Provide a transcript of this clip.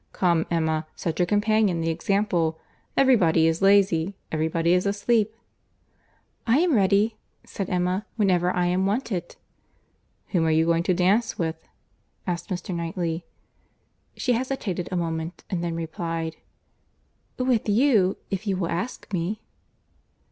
—Come Emma, set your companions the example. Every body is lazy! Every body is asleep!" "I am ready," said Emma, "whenever I am wanted." "Whom are you going to dance with?" asked Mr. Knightley. She hesitated a moment, and then replied, "With you, if you will ask me."